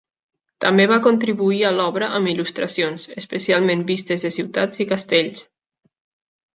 També va contribuir a l'obra amb il·lustracions, especialment vistes de ciutats i castells.